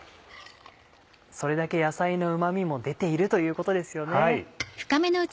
それだけ野菜のうま味も出ているということですよね。